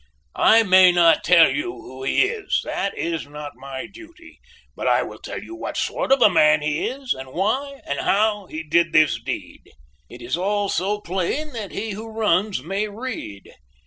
"I may not tell you who he is; that is not my duty; but I will tell you what sort of a man he is, and why and how he did this deed. "It is all so plain that he who runs may read.